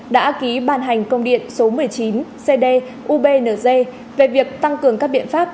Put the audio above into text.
đã ký bàn hành công điện số một mươi chín cd ubnz về việc tăng cường các biện pháp